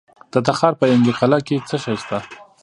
د تخار په ینګي قلعه کې څه شی شته؟